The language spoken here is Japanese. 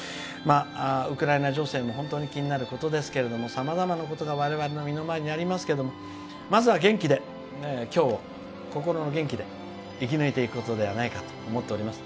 ウクライナ情勢も本当に気になることですけれどもさまざまなことが我々の身の回りにありますけどまずは元気で、今日を心の元気で生き抜いていこうではないかと思っております。